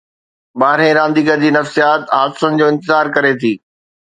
ٻارهين رانديگر جي نفسيات حادثن جو انتظار ڪري ٿي.